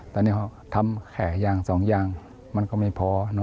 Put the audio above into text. ตอนนี้เขาทำแผลอย่างสองอย่างมันก็ไม่พอ